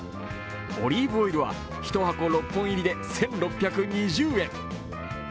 オリーブオイルは１箱６本入りで１６２０円。